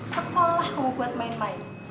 sekolah kamu buat main main